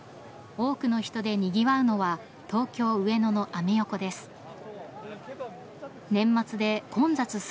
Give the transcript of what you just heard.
多くの人でにぎわうのは東京・上野のアメ横です。